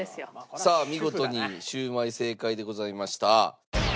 さあ見事にしゅうまい正解でございました。